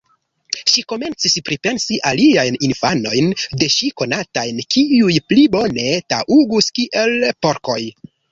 Ŝi komencis pripensi aliajn infanojn de ŝi konatajn, kiuj pli bone taŭgus kiel porkoj.